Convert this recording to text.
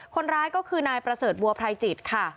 คนร้ายก็คือนายประเสริฐบัวไพรจิตค่ะ